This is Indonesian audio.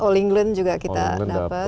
all england juga kita dapat